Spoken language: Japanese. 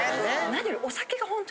何より。